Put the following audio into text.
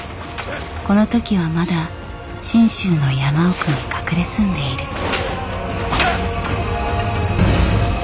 この時はまだ信州の山奥に隠れ住んでいる。